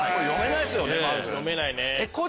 読めないね。